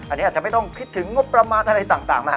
อันนี้อาจจะไม่ต้องคิดถึงงบประมาณอะไรต่างนะฮะ